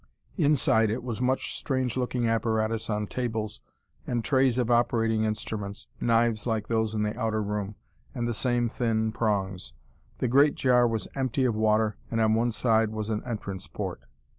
Inside it was much strange looking apparatus on tables, and trays of operating instruments knives like those in the outer room, and the same thin prongs. The great jar was empty of water, and on one side was an entrance port.